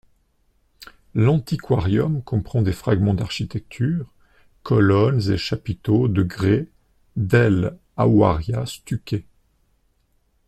L'antiquarium comprend des fragments d'architecture, colonnes et chapiteaux de grès d'El Haouaria stuccés.